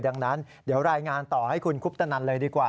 ดังนั้นเดี๋ยวรายงานต่อให้คุณคุปตนันเลยดีกว่า